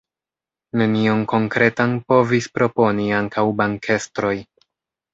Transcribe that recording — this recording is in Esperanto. Nenion konkretan povis proponi ankaŭ bankestroj.